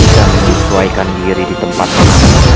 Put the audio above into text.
dan disesuaikan diri di tempat terang